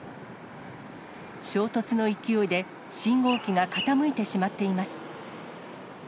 衝突の勢いで、信号機が傾いてしまっています。